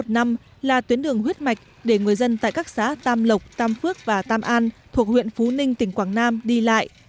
dt sáu trăm một mươi năm là tuyến đường huyết mạch để người dân tại các xã tam lộc tam phước và tam an thuộc huyện phú ninh tỉnh quảng nam đi lại